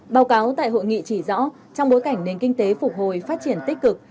báo cáo tại hội nghị chỉ rõ trong bối cảnh nền kinh tế phục hồi phát triển tích cực